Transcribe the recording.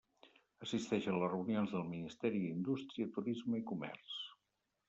Assisteix a les reunions del Ministeri d'Indústria, Turisme i Comerç.